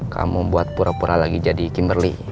kamu buat pura pura lagi jadi kimberly